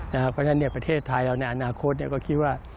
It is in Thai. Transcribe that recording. เพราะฉะนั้นประเทศไทยเราในอนาคตก็คิดว่า